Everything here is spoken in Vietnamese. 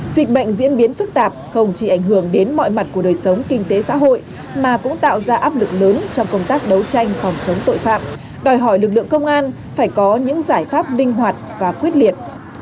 dịch bệnh diễn biến phức tạp không chỉ ảnh hưởng đến mọi mặt của đời sống kinh tế xã hội mà cũng tạo ra áp lực lớn trong công tác đấu tranh phòng chống tội phạm đòi hỏi lực lượng công an phải có những giải pháp linh hoạt và quyết liệt